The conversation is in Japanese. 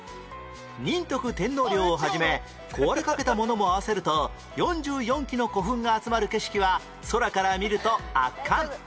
仁徳天皇陵を始め壊れかけたものも合わせると４４基の古墳が集まる景色は空から見ると圧巻